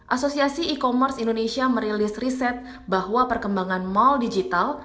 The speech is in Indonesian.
asosiasi e commerce indonesia merilis riset bahwa perkembangan mal digital